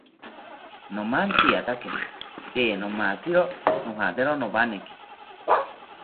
Nomantziatake tee nomatziro noyatero nowaneki